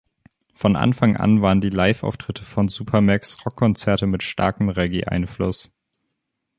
Von Anfang an waren die Live-Auftritte von Supermax Rockkonzerte mit starkem Reggae-Einfluss.